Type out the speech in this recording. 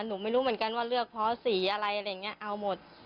หนูไม่รู้เหมือนกันว่าเลือกเพราะสีอะไรอะไรอย่างนี้เอาหมด